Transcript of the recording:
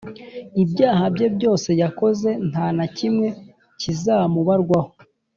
Ibyaha bye byose yakoze nta na kimwe cyizamubarwaho,